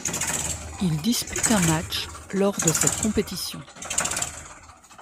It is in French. Il dispute un match lors de cette compétition.